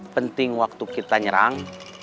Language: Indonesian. penting waktu kita nyerang